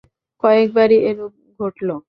কয়েকবারই এরূপ ঘটলো।